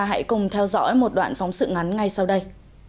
hãy cùng theo dõi một đoạn phóng sự ngắn ngay sau đây